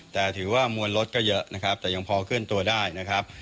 แต่ถือว่ามวลรถก็เยอะนะครับแต่ยังพอเคลื่อนตัวได้นะครับ